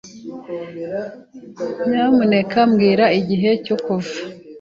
Nyamuneka mbwira igihe cyo kuva.